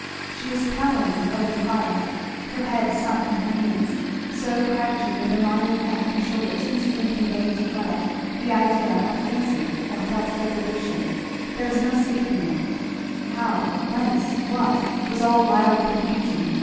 She was cowering over the fire, her head sunk in her hands, so crouching, that the line of neck and shoulders instantly conveyed to Fleda the idea of fancied or felt degradation there was no escaping it how, whence, what, was all wild confusion.